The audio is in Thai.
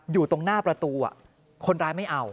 อยู่ตรงหน้าประตูคนร้ายไม่เอา